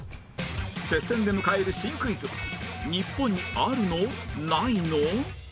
接戦で迎える新クイズは日本にあるの？ないの？